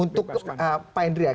untuk pak indriya